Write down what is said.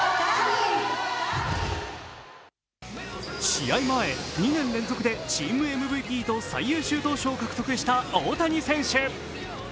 試合前、２年連続でチームＭＶＰと最優秀投手賞を獲得した大谷選手。